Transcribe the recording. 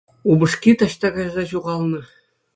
Упӑшки таҫта кайса ҫухалнӑ.